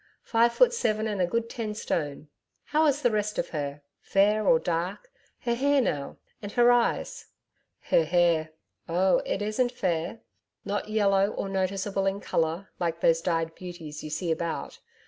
Five foot seven and a good ten stone. How is the rest of HER? Fair or dark her hair now and her eyes?' 'Her hair oh, it isn't fair not yellow or noticeable in colour like those dyed beauties you see about.